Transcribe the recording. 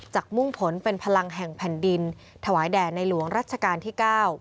มุ่งผลเป็นพลังแห่งแผ่นดินถวายแด่ในหลวงรัชกาลที่๙